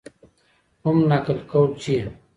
کوم نقل قول چي